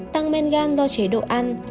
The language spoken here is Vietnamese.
tăng men gan do chế độ ăn